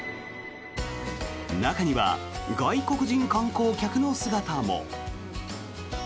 中には外国人観光客の姿も。